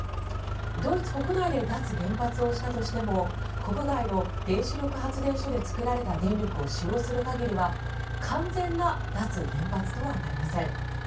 ドイツ国内で脱原発をしたとしても国外の原子力発電所で作られた電力を使用する限りは完全な脱原発とはなりません。